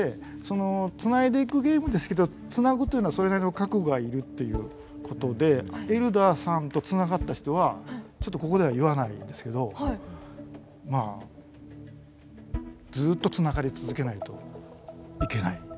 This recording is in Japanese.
繋いでいくゲームですけど繋ぐというのはそれなりの覚悟がいるっていうことでエルダーさんと繋がった人はちょっとここでは言わないんですけどまあずっと繋がり続けないといけない。